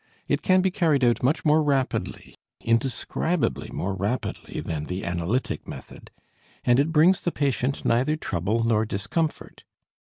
It can be carried out much more rapidly, indescribably more rapidly than the analytic method, and it brings the patient neither trouble nor discomfort.